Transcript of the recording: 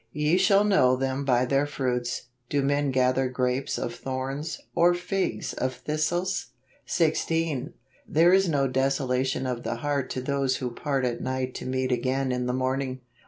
" Ye shall know them by their fruits. Do men gather grapes of thorns , or figs of thistles ?" 16. "There is no desolation of heart to those who part at night to meet again in the morning."